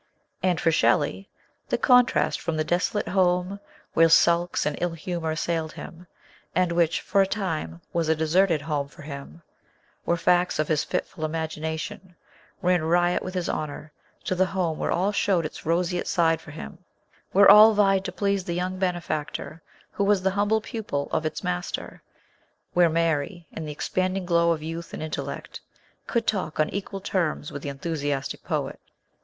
And for Shelley, the contrast from the desolate home, where sulks and ill humour assailed him, and which, for a time, was a deserted home for him ; where facts, or his fitful imagination, ran riot with his honour, to the home where all showed its roseate side for him ; where all vied to please the young bene factor, who was the humble pupil of its master ; where Mary, in the expanding glow of youth and intellect, could talk on equal terms with the enthusiastic poet.